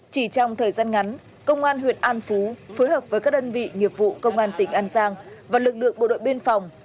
chỉ trong thời gian ngắn công an huyện an phú phối hợp với các đơn vị nghiệp vụ công an tỉnh an giang và lực lượng bộ đội biên phòng